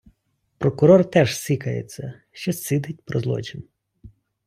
Прокурор теж сікається, щось цідить про злочин.